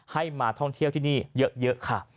ให้มาท่องเที่ยวที่นี่เยอะค่ะ